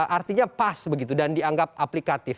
artinya pas begitu dan dianggap aplikatif